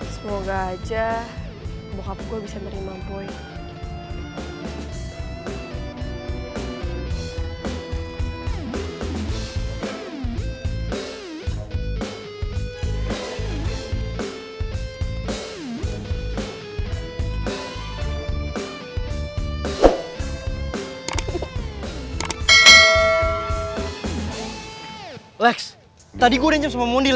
semoga aja bokap gue bisa menerima poin